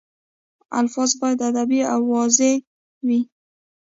الفاظ باید ادبي او واضح وي.